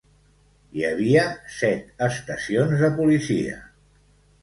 Hi havia set estacions de policia.